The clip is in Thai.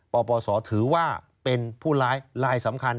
ปปสอถือว่าเป็นผู้ลายสำคัญ